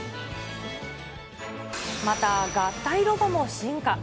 また合体ロボも進化。